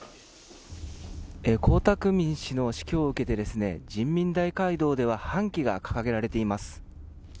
江沢民氏の死去を受けてですね人民大会堂では半旗が掲げられています。